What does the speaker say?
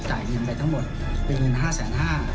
เงินไปทั้งหมดเป็นเงิน๕๕๐๐บาท